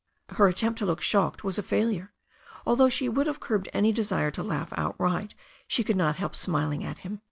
Her attempt to look shocked was a failure. Although she would have curbed any desire to laugh outright, she could not help smiling at him.